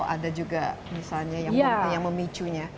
ada juga misalnya yang memicunya